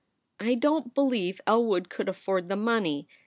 "I don t believe Elwood could afford the money.